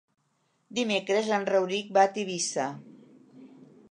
Dimecres en Rauric va a Tivissa.